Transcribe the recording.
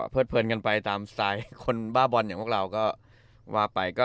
เพลินกันไปตามสไตล์คนบ้าบอลอย่างพวกเราก็ว่าไป